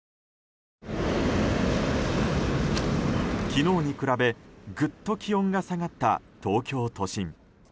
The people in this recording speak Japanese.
昨日に比べ、ぐっと気温が下がった東京都心。